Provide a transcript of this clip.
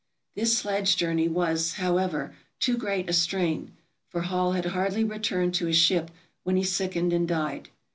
This sledge journey was, however, too great a strain, for Hall had hardly returned to his ship when he sickened and died.